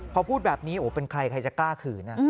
พอพูดแบบนี้โอ้เป็นใครใครจะกล้าขืน